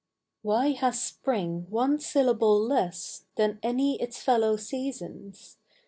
7HY has Spring one syllable less v ' Than any its fellow season ?